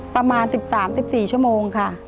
ประมาณ๑๓๑๔ชั่วโมงค่ะ